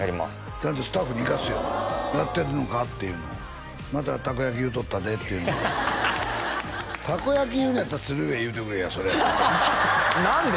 ちゃんとスタッフに行かすよやってるのかっていうのをまた「たこ焼き」言うとったでっていうのは「たこ焼き」言うんやったら「鶴瓶」言うてくれやそれ何で？